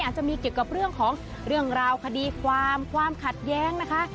อาจจะมีเกี่ยวกับเรื่องของเรื่องราวคดีความความขัดแย้งนะคะ